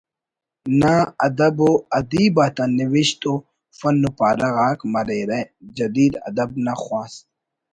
نا ادب و ادیب آتا نوشت و فن پارہ غاک مریرہ جدید ادب نا خواست